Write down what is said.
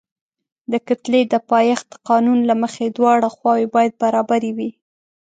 د کتلې د پایښت قانون له مخې دواړه خواوې باید برابرې وي.